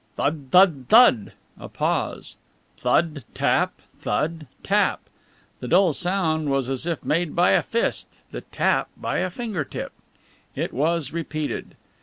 "Thud thud thud" a pause "thud, tap, thud, tap." The dull sound was as if made by a fist, the tap by a finger tip. It was repeated.